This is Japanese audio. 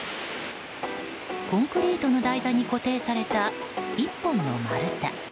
コンクリートの台座に固定された１本の丸太。